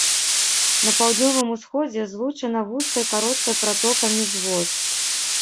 На паўднёвым усходзе злучана вузкай кароткай пратокамі з воз.